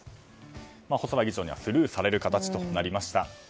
細田議長にはスルーされる形となりました。